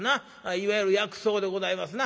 いわゆる薬草でございますな。